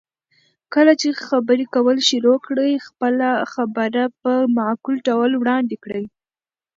کله چې خبرې کول شروع کړئ، خپله خبره په معقول ډول وړاندې کړئ.